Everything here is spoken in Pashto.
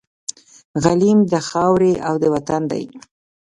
غلیم د خاوري او د وطن دی